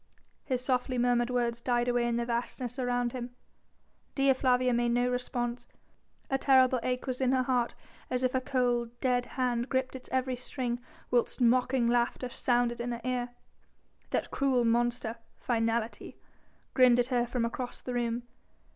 '" His softly murmured words died away in the vastness around him. Dea Flavia made no response; a terrible ache was in her heart as if a cold, dead hand gripped its every string, whilst mocking laughter sounded in her ear. That cruel monster Finality grinned at her from across the room.